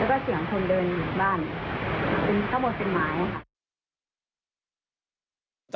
แล้วก็เสียงคนเดินอยู่บ้านข้างบนเป็นไม้ค่ะ